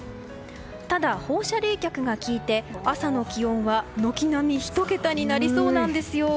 ただ放射冷却が利いて朝の気温は、軒並み１桁になりそうなんですよ。